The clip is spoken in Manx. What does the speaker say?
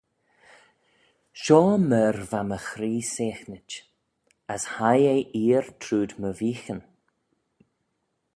Shoh myr va my chree seaghnit: as hie eh eer trooid my veeghyn.